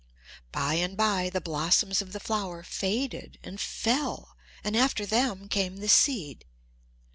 By and by the blossoms of the flower faded and fell and after them came the seed.